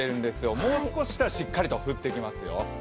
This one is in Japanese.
もう少ししたらしっかりと降ってきますよ。